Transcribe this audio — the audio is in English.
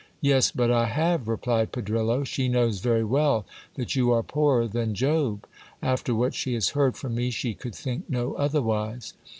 Yes, but I have, replied Pedrillo ; she knows very well that you are poorer than Job ; after what she has heard from me she could think no otherwise.